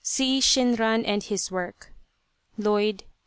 See " Shinran and his Work " (Lloyd, p.